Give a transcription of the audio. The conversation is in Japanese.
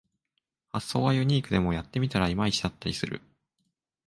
発想はユニークでもやってみたらいまいちだったりする